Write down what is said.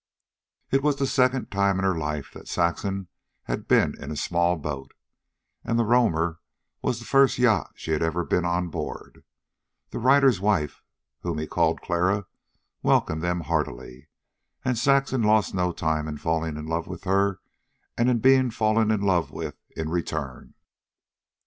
It was the second time in her life that Saxon had been in a small boat, and the Roamer was the first yacht she had ever been on board. The writer's wife, whom he called Clara, welcomed them heartily, and Saxon lost no time in falling in love with her and in being fallen in love with in return.